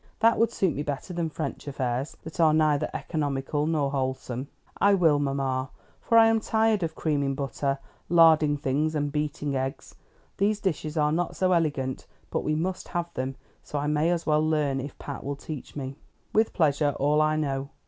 That would suit me better than French affairs, that are neither economical nor wholesome." "I will, mamma, for I'm tired of creaming butter, larding things, and beating eggs. These dishes are not so elegant, but we must have them; so I may as well learn, if Pat will teach me." "With pleasure, all I know.